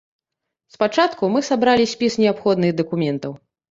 Спачатку мы сабралі спіс неабходных дакументаў.